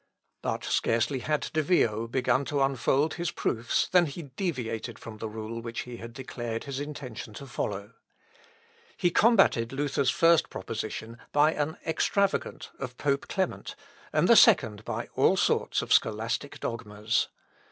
But scarcely had De Vio begun to unfold his proofs than he deviated from the rule which he had declared his intention to follow. He combated Luther's first proposition by an extravagant of Pope Clement, and the second by all sorts of scholastic dogmas.